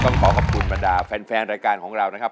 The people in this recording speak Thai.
ต้องบอกกับคุณประดาษแฟนรายการของเรานะครับ